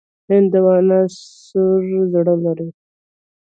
هندوانه سور زړه لري.